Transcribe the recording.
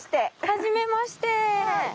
はじめまして。